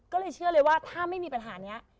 ก็เลยเชื่อเลยว่าถ้าไม่มีปัญหานี้